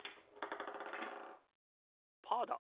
パーだ！